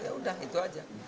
ya udah itu aja